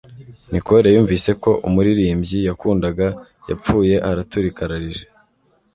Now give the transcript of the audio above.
Nicole yumvise ko umuririmbyi yakundaga yapfuye araturika ararira